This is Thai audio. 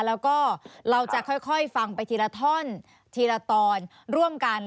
แล้วก็เราจะค่อยฟังไปทีละท่อนทีละตอนร่วมกัน